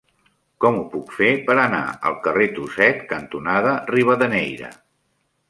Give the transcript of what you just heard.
Com ho puc fer per anar al carrer Tuset cantonada Rivadeneyra?